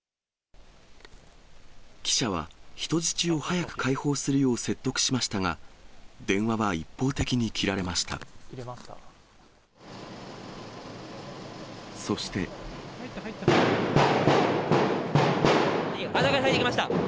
記者は人質を早く解放するよう説得しましたが、電話は一方的に切られました。